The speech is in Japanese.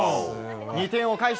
２点を返し